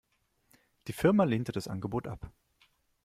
Die Firma lehnte das Angebot ab.